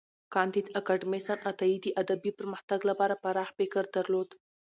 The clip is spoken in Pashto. کانديد اکاډميسن عطايي د ادبي پرمختګ لپاره پراخ فکر درلود.